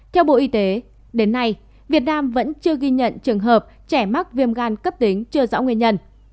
theo bộ y tế đến nay việt nam vẫn chưa ghi nhận trường hợp trẻ mắc viêm gan cấp tính chưa rõ nguyên nhân